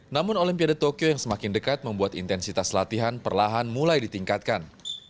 namun olimpiade tokyo yang semakin dekat membuat intensitas latihan perlahan mulai ditingkatkan